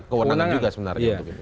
kewenangan juga sebenarnya